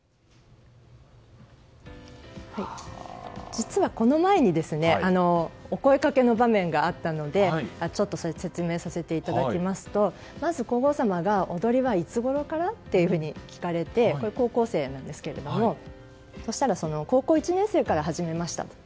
実は、この前にお声掛けの場面があったのでそれを説明させていただきますとまず皇后さまが、踊りはいつごろから？というふうに聞かれてこれ高校生なんですけれどもそうしたら高校１年生から始めましたと。